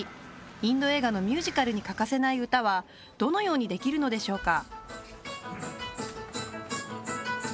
インド映画のミュージカルに欠かせない歌はどのようにできるのでしょうか？